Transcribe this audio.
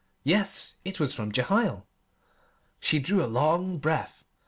Yes, it was from Jehiel. She drew a long breath.